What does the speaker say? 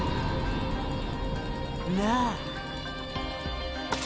なあ。